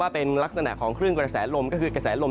เป็นลักษณะของคลื่นกระแสลมก็คือกระแสลม